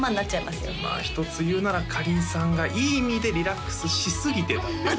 まあ一つ言うならかりんさんがいい意味でリラックスしすぎてた私！？